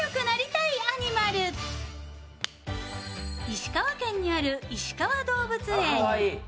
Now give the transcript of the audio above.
石川県にあるいしかわ動物園。